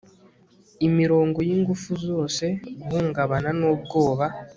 Imirongo yingufu zose guhungabana nubwoba